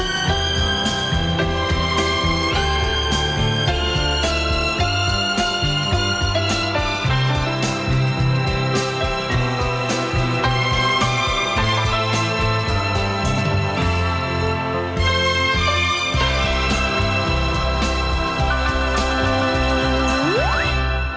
hẹn gặp lại